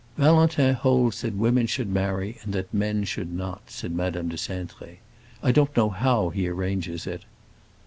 "Valentin holds that women should marry, and that men should not," said Madame de Cintré. "I don't know how he arranges it."